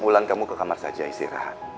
pulang kamu ke kamar saja istirahat